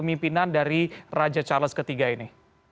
pemimpinan dari raja charles iii ini